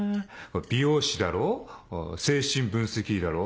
美容師だろ精神分析医だろ